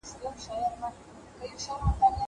چې تا په درک کړم